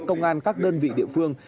công an các đơn vị địa phương